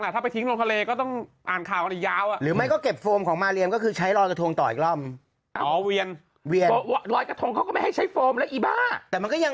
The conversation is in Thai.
ด๋วะลอยกระทงเค้าก็ไม่ให้ใช้โฟมเลยอีบ๊ะ